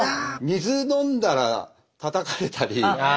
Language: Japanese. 水飲んだらたたかれたり。